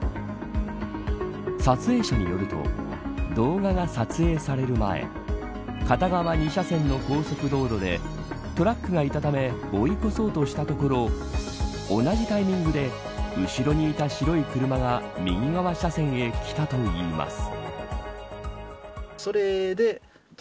撮影者によると動画が撮影される前片側２車線の高速道路でトラックがいたため追い越そうとしたところ同じタイミングで後ろにいた白い車が右側車線へ来たといいます。